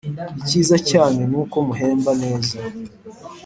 icyiza cyanyu nuko muhemba neza